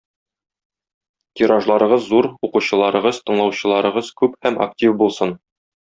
Тиражларыгыз зур, укучыларыгыз, тыңлаучыларыгыз күп һәм актив булсын.